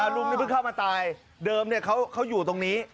ลุงนี่เพิ่งเข้ามาตายเดิมเขาอยู่ตรงนี้